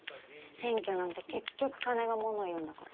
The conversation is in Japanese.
選挙なんて結局金がモノを言うんだから。